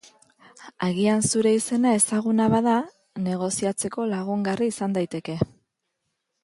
Agian zure izena ezaguna bada, negoziatzeko lagungarri izan daiteke.